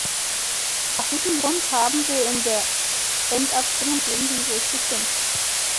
Aus diesem Grund haben wir in der Endabstimmung gegen den Bericht gestimmt.